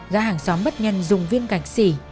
gã hàng xóm bất nhân dùng viên cạch xỉ